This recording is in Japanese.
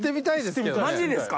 マジですか？